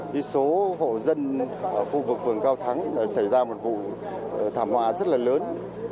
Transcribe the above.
cái số hộ dân ở khu vực phường cao thắng xảy ra một vụ thảm họa rất là lớn